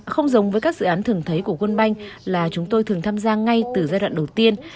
không giống với các dự án thường thấy của quân banh là chúng tôi thường tham gia ngay từ giai đoạn đầu tiên